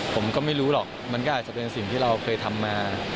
ผมก็ไม่รู้หรอกมันก็อาจจะเป็นสิ่งที่เราเคยทำมา